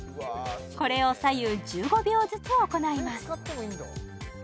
これを左右１５秒ずつ行います